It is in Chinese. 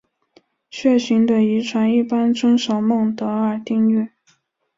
血型的遗传一般遵守孟德尔定律。